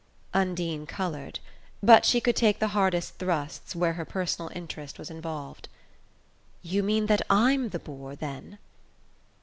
Undine coloured; but she could take the hardest thrusts where her personal interest was involved. "You mean that I'M the bore, then?"